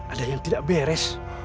ada yang tidak beres